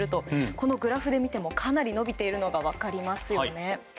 このグラフで見ても、かなり伸びているのが分かりますよね。